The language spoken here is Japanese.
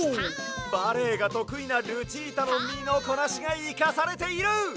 バレエがとくいなルチータのみのこなしがいかされている！